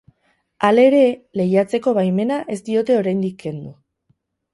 Halere, lehiatzeko baimena ez diote oraindik kendu.